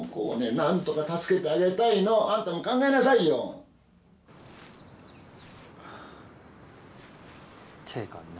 なんとか助けてあげたいの。あんたも考えなさいよ！ってかな